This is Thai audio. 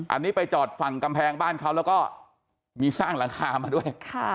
อันนี้ไปจอดฝั่งกำแพงบ้านเขาแล้วก็มีสร้างหลังคามาด้วย